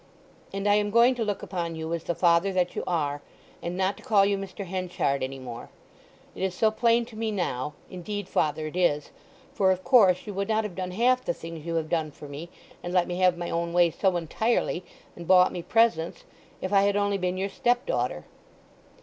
And I am going to look upon you as the father that you are, and not to call you Mr. Henchard any more. It is so plain to me now. Indeed, father, it is. For, of course, you would not have done half the things you have done for me, and let me have my own way so entirely, and bought me presents, if I had only been your stepdaughter!